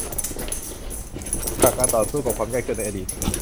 จากการต่อสู้กับความยากจนในอดีต